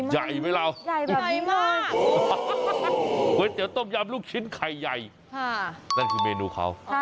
ใหญ่มากใหญ่แบบนี้มากวัดเตี๋ยวต้มยำลูกชิ้นไข่ใหญ่นั่นคือเมนูเขา